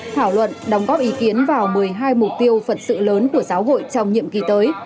thảo luận đóng góp ý kiến vào một mươi hai mục tiêu phật sự lớn của giáo hội trong nhiệm kỳ tới